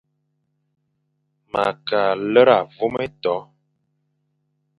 Ma kʼa lera vôm éto.